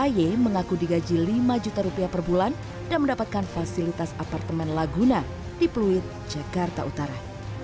aye mengaku digaji lima juta rupiah per bulan dan mendapatkan fasilitas apartemen laguna di pluit jakarta utara